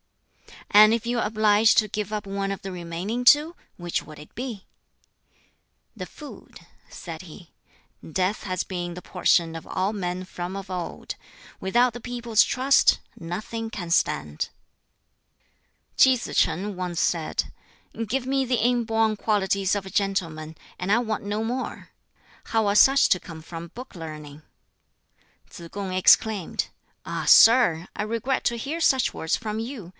"And if you are obliged to give up one of the remaining two, which would it be?" "The food," said he. "Death has been the portion of all men from of old. Without the people's trust nothing can stand." Kih Tsz shing once said, "Give me the inborn qualities of a gentleman, and I want no more. How are such to come from book learning?" Tsz kung exclaimed, "Ah! sir, I regret to hear such words from you.